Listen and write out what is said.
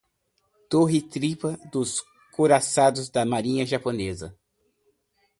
Torre tripla do couraçado da marinha japonesa